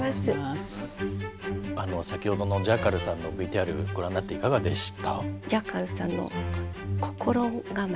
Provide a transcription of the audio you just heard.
先ほどのジャッカルさんのＶＴＲご覧になっていかがでした？